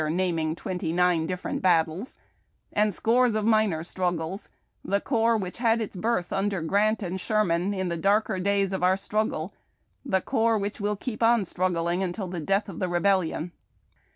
[naming twenty nine different battles], and scores of minor struggles ; the corps which had its birth under Grant and Sherman in the darker days of our struggle , the corps which will keep on strug gling until the death of the Rebellion."